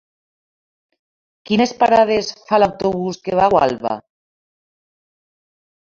Quines parades fa l'autobús que va a Gualba?